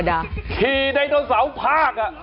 ดันโนเสาร์ภาค